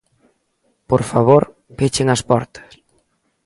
Por favor, pechen as portas.